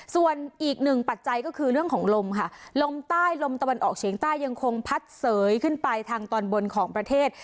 ส่วนอีกหนึ่งปัจจัยก็คือเรื่องของลมค่ะลมใต้ลมตะวันออกเฉียงใต้ยังคงพัดเสยขึ้นไปทางตอนบนของประเทศ